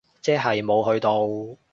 即係冇去到？